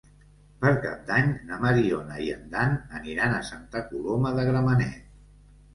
Per Cap d'Any na Mariona i en Dan aniran a Santa Coloma de Gramenet.